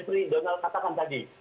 seperti donald katakan tadi